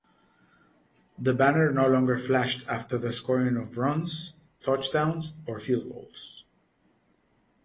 The banner no longer flashed after the scoring of runs, touchdowns or field goals.